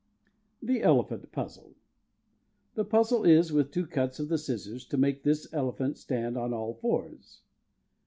THE ELEPHANT PUZZLE. The puzzle is, with two cuts of the scissors to make this elephant stand on all fours.